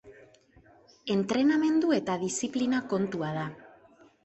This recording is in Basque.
Entrenamendu eta diziplina kontua da.